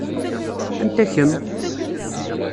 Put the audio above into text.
Anta-kem?